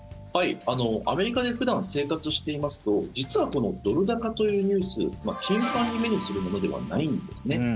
アメリカで普段、生活していますと実は、このドル高というニュース頻繁に目にするものではないんですね。